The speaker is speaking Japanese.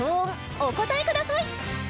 お答えください！